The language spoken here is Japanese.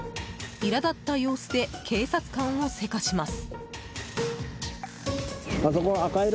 苛立った様子で警察官を急かします。